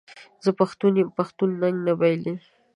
زه پښتون یم پښتون ننګ نه بایلي.